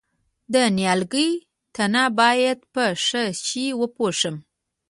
د نیالګي تنه باید په څه شي وپوښم؟